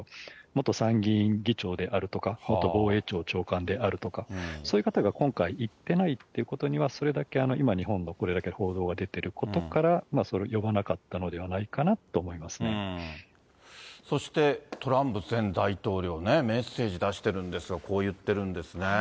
元参議院議長であるとか、元防衛庁長官であるとか、そういう方が今回、行ってないということには、それだけ今、日本のこれだけ報道が出ていることから呼ばなかったのではないかそしてトランプ前大統領ね、メッセージ出してるんですが、こう言ってるんですね。